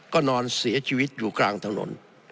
ก็นอนเสียชีวิตอยู่กลางถนน